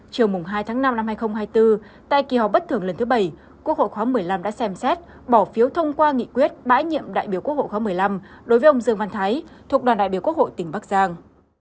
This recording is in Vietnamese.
chiều hai tháng năm năm hai nghìn hai mươi bốn tại kỳ họp bất thường lần thứ bảy quốc hội khóa một mươi năm đã xem xét bỏ phiếu thông qua nghị quyết bãi nhiệm đại biểu quốc hội khóa một mươi năm đối với ông dương văn thái thuộc đoàn đại biểu quốc hội tỉnh bắc giang